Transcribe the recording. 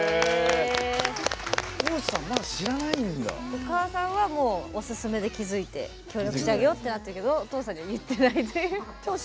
お母さんはおすすめで気付いて協力してあげようってなったけど、お父さんには言ってないという。